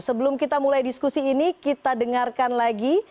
sebelum kita mulai diskusi ini kita dengarkan lagi